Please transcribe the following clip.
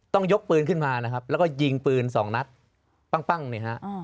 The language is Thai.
ยกปืนขึ้นมานะครับแล้วก็ยิงปืนสองนัดปั้งเนี่ยฮะ